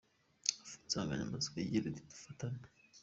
ufite insanganyamatsiko igira iti dufatane.